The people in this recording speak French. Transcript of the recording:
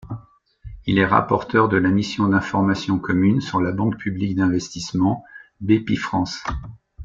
Il est rapporteur de la mission d'information commune sur la Banque Publique d'Investissement Bpifrance.